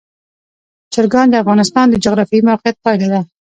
چرګان د افغانستان د جغرافیایي موقیعت پایله ده.